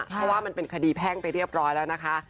เพราะว่ามันเป็นคดีแพ่งไปเรียบร้อยแล้วนะคะ